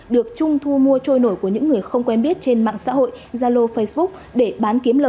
được trung thu mua trôi nổi của những người không quen biết trên mạng xã hội zalo facebook để bán kiếm lời